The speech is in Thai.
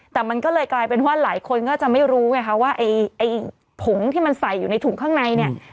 แต่มันก็เลยกลายเป็นว่าหลายคนก็จะไม่รู้ไงคะว่าไอ้ผงที่มันใส่อยู่ในถุงข้างในเนี่ย